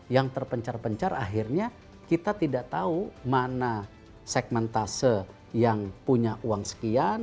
yang terpencar pencar akhirnya kita tidak tahu mana segmen tase yang punya uang sekian